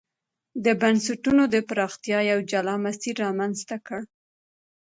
د بنسټونو د پراختیا یو جلا مسیر رامنځته کړ.